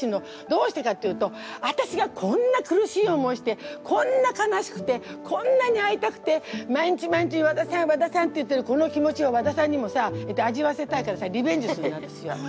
どうしてかっていうとわたしがこんな苦しい思いしてこんな悲しくてこんなに会いたくて毎日毎日「和田さん和田さん」って言ってるこの気持ちを和田さんにもさ味わわせたいからさリベンジするのわたしは。